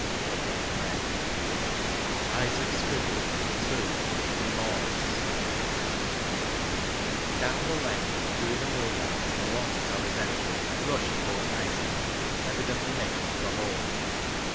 Isaac's Fiddle II Remorse 290 Isaac's Fiddle II Remorse Down the lane, through the mill yard and along Sally's Entry, rushed poor Isaac, evidently making for home.